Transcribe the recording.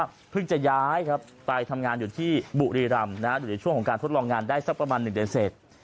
บุรีรำอยู่ในช่วงของการทดลองงานได้สักประมาณหนึ่งเดือนเสร็จ